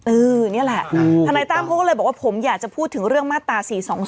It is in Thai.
นี่แหละทนายตั้มเขาก็เลยบอกว่าผมอยากจะพูดถึงเรื่องมาตรา๔๒